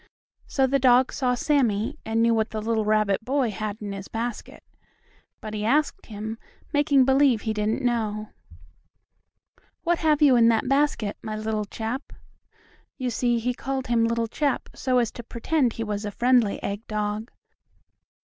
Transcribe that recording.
So the dog saw Sammie and knew what the little rabbit boy had in his basket. But he asked him, making believe he didn't know: "What have you in that basket, my little chap?" You see, he called him "little chap" so as to pretend he was a friendly egg dog.